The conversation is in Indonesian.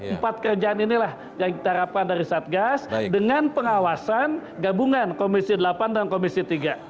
empat kerjaan inilah yang kita harapkan dari satgas dengan pengawasan gabungan komisi delapan dan komisi tiga